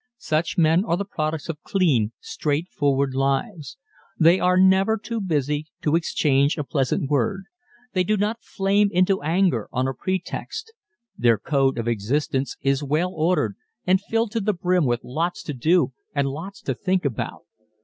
Such men are the products of clean, straightforward lives. They are never too busy to exchange a pleasant word. They do not flame into anger on a pretext. Their code of existence is well ordered and filled to the brim with lots to do and lots to think about.